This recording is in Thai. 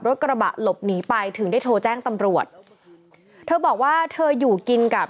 กระบะหลบหนีไปถึงได้โทรแจ้งตำรวจเธอบอกว่าเธออยู่กินกับ